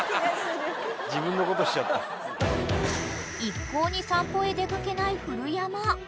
［一向に散歩へ出掛けない古山］